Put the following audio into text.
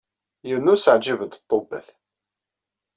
Yiwen ur s-ɛǧibent ṭṭubbat.